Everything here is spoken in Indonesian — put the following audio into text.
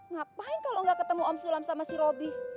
ngapain kalo gak ketemu om sulam sama si robi